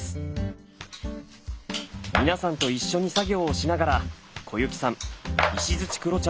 皆さんと一緒に作業をしながら小雪さん石黒茶